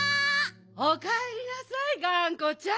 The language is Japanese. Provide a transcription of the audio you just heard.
おかえりなさいがんこちゃん。